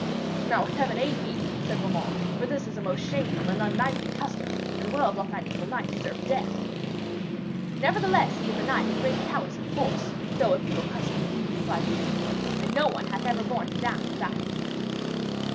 'Now Heaven aid me,' said Beaumains, 'for this is a most shameful and unknightly custom, and well doth that evil knight deserve death.' 'Nevertheless he is a knight of great prowess and force, though of evil custom,' replied the lady, 'and no one hath ever borne him down in battle.'